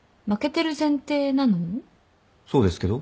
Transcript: そうですけど？